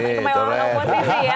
kemewahan kompetisi ya